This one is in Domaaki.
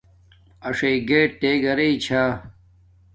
اݽ گیٹ تے گھرݵ چھا